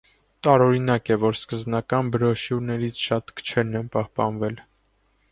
Տարօրինակ է, որ սկզբնական բրոշյուրներից շատ քչերն են պահպանվել։